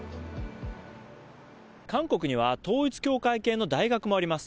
韓国には統一教会系の大学もあります。